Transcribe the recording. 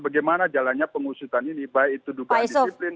bagaimana jalannya pengusutan ini baik itu dugaan disiplin